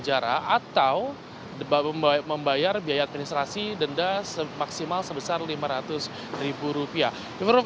atau membayar biaya administrasi denda maksimal sebesar lima ratus ribu rupiah